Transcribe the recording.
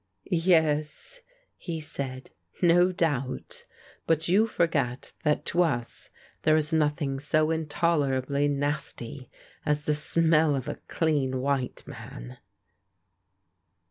"Yes," he said, "no doubt; but you forget that to us there is nothing so intolerably nasty as the smell of a clean white man!"